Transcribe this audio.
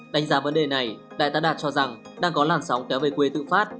đánh giá vấn đề này đại tá đạt cho rằng đang có làn sóng kéo về quê tự phát